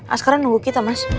askara nunggu kita mas